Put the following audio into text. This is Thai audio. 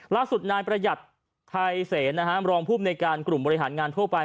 ล่าสุดนายประหยัดไทยเสนรองภูมิในการกลุ่มบริหารงานทั่วไป